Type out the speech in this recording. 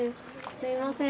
すいません。